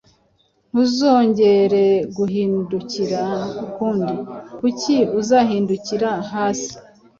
Ntuzongere guhindukira ukundi: Kuki uzahindukira hasi